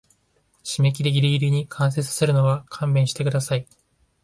締切ギリギリに完成させるの勘弁してください